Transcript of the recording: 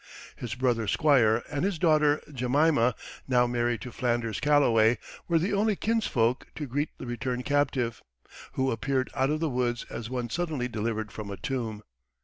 His brother Squire, and his daughter Jemima now married to Flanders Calloway were the only kinsfolk to greet the returned captive, who appeared out of the woods as one suddenly delivered from a tomb.